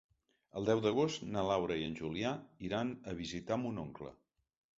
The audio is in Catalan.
El deu d'agost na Laura i en Julià iran a visitar mon oncle.